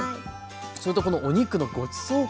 それとこのお肉のごちそう感。